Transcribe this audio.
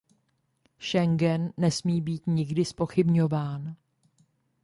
Schengen nesmí být nikdy zpochybňován.